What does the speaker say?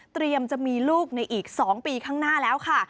จะมีลูกในอีก๒ปีข้างหน้าแล้วค่ะ